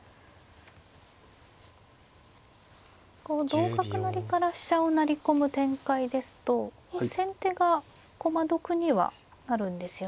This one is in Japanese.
同角成から飛車を成り込む展開ですと先手が駒得にはなるんですよね。